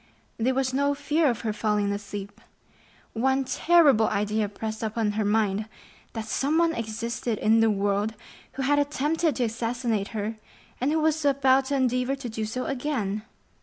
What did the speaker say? There was no fear of her falling asleep. One terrible idea pressed upon her mind,—that someone existed in the world who had attempted to assassinate her, and who was about to endeavor to do so again.